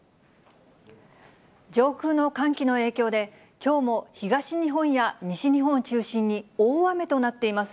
上空の寒気の影響で、きょうも東日本や西日本を中心に大雨となっています。